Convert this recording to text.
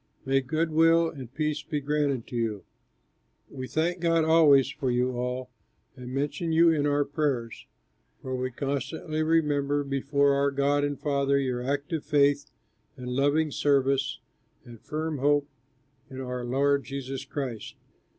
May good will and peace be granted to you. We thank God always for you all and mention you in our prayers, for we constantly remember before our God and Father your active faith and loving service and firm hope in our Lord Jesus Christ.